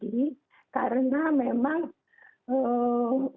jadi kalau yang bupati sleman itu beda sekali